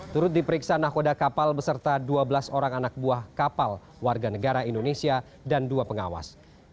turut diperiksa nahkoda kapal beserta dua belas orang anak buah kapal warga negara indonesia dan dua pengawas